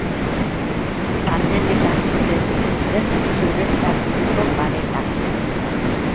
Kandelek argitzen zituzten zureztaturiko paretak.